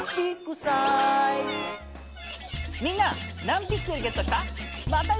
みんな何ピクセルゲットした？